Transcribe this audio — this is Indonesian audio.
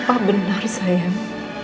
bapak benar sayang